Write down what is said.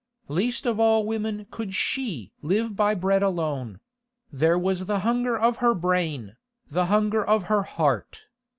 Least of all women could she live by bread alone; there was the hunger of her brain, the hunger of her heart.